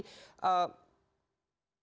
apa yang akan terjadi